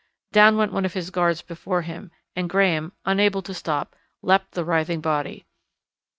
Down went one of his guards before him, and Graham, unable to stop, leapt the writhing body.